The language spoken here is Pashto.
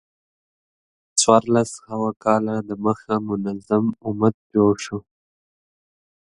څوارلس سوه کاله د مخه منظم امت جوړ شو.